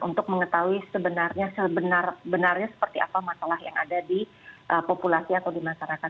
untuk mengetahui sebenarnya sebenar benarnya seperti apa masalah yang ada di populasi atau di masyarakat